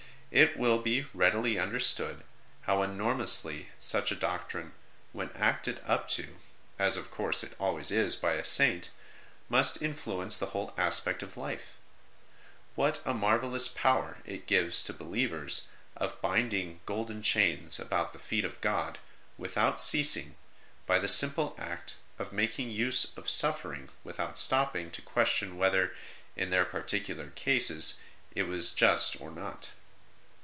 It will be readily understood how enormously such a doctrine, when acted up to (as, of course, it always is by a Saint), must influence the whole aspect of life : what a marvellous power it gives to believers of binding golden chains about the feet of God without ceasing, by the simple act of making use of suffering without stopping to question whether, in their particular cases, it is just or not.